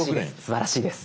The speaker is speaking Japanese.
すばらしいです